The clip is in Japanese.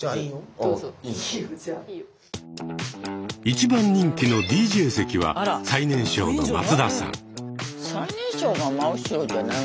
一番人気のＤＪ席は最年少の松田さん。